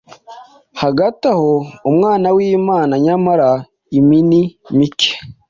Hagati aho Umwana wImana, nyamara imini mike